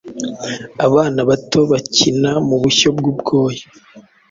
abana bato bakina Mubushyo bwubwoya.